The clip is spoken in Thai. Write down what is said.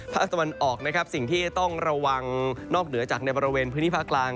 ภาคตะวันออกนะครับสิ่งที่ต้องระวังนอกเหนือจากในบริเวณพื้นที่ภาคกลาง